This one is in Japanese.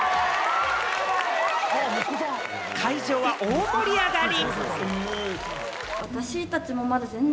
会場は大盛り上がり！